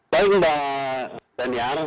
baik mbak daniar